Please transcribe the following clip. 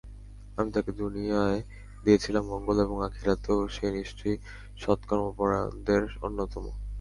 আমি তাকে দুনিয়ায় দিয়েছিলাম মঙ্গল এবং আখিরাতেও সে নিশ্চয়ই সৎকর্মপরায়ণদের অন্যতম।